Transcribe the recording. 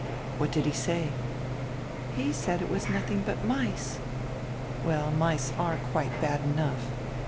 "What did he say?" "He said it was nothing but mice." "Well, mice are quite bad enough.